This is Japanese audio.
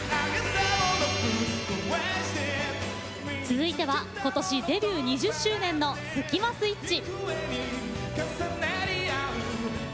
続いては今年デビュー２０周年のスキマスイッチ。